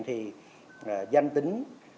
thì danh tính